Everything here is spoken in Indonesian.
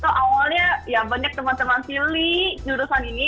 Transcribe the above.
itu awalnya banyak teman teman pilih jurusan ini